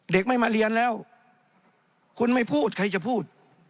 เด็กไม่มาเรียนแล้วคุณไม่พูดใครจะพูด